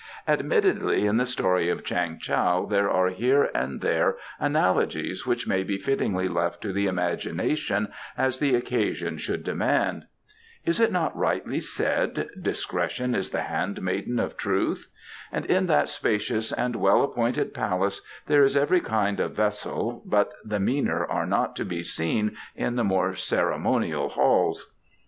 Admittedly in the story of Chang Tao there are here and there analogies which may be fittingly left to the imagination as the occasion should demand. Is it not rightly said: 'Discretion is the handmaiden of Truth'? and in that spacious and well appointed palace there is every kind of vessel, but the meaner are not to be seen in the more ceremonial halls.